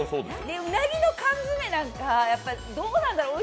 うなぎの缶詰なんか、どうなんだろう？